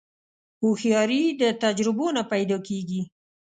هوښیاري د تجربو نه پیدا کېږي.